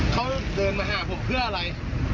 เขาเดินมาหาผมเพื่ออะไร